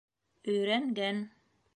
Өйрәнгән.